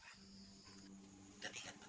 harga di bawah pasaran